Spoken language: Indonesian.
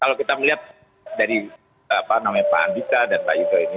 kalau kita melihat pengalaman jabatan pengalaman pengugasan dari pak yudho margono ini